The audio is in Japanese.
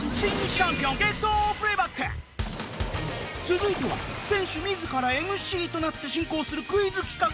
続いては選手自ら ＭＣ となって進行するクイズ企画！